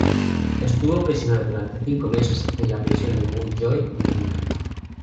Estuvo prisionero durante cinco meses en la Prisión de Mountjoy en Dublín.